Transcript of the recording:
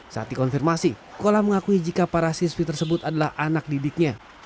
saat dikonfirmasi kola mengakui jika para siswi tersebut adalah anak didiknya